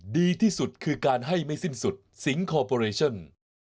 ดีที่สุดคือการให้ไม่สิ้นสุดสิงคอร์ปอเรชั่น